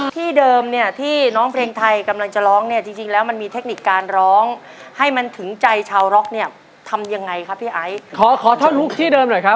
ที่เดิมเนี่ยที่น้องเพลงไทยกำลังจะร้องเนี่ยจริงแล้วมันมีเทคนิคการร้องให้มันถึงใจชาวร็อคเนี่ยทำยังไงครับพี่ไอซ์